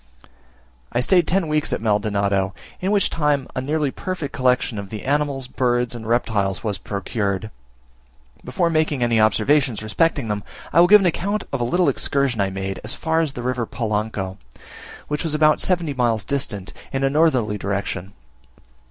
I stayed ten weeks at Maldonado, in which time a nearly perfect collection of the animals, birds, and reptiles, was procured. Before making any observations respecting them, I will give an account of a little excursion I made as far as the river Polanco, which is about seventy miles distant, in a northerly direction.